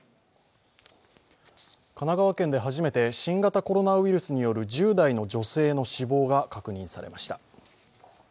神奈川県で初めて新型コロナウイルスによる１０代の女性の死亡が確認されました。